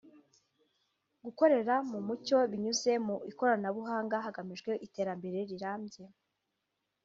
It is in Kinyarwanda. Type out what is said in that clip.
gukorera mu mucyo binyuze mu ikoranabuhanga hagamijwe iterambere rirambye